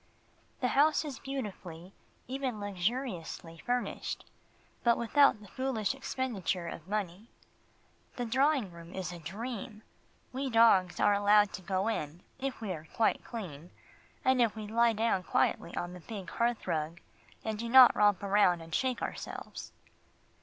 The house is beautifully, even luxuriously, furnished, but without a foolish expenditure of money. The drawing room is a dream. We dogs are allowed to go in, if we are quite clean, and if we lie down quietly on the big hearth rug, and do not romp about and shake ourselves.